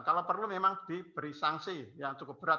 kalau perlu memang diberi sanksi yang cukup berat